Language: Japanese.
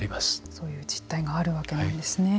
そういう実態があるわけなんですね。